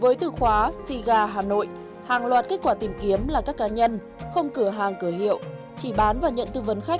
với từ khóa siga hà nội hàng loạt kết quả tìm kiếm là các cá nhân không cửa hàng cửa hiệu chỉ bán và nhận tư vấn khách